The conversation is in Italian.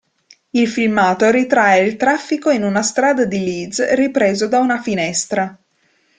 Il filmato ritrae il traffico in una strada di Leeds ripreso da una finestra.